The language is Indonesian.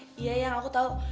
eh ya yang aku tau